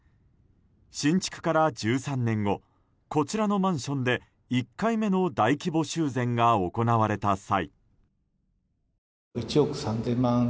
新築から１３年後こちらのマンションで１回目の大規模修繕が行われた際。